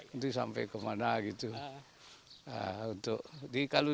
nanti sampai kemana gitu